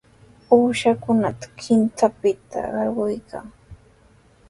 Uushakunata qintranpita qarquykan.